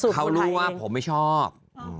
เขารู้ว่าผมไม่ชอบ